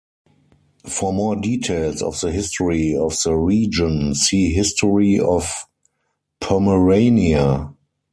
For more details of the history of the region, see History of Pomerania.